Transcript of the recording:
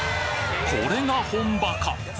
これが本場か！